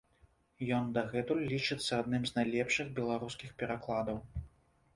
Ён дагэтуль лічыцца адным з найлепшых беларускіх перакладаў.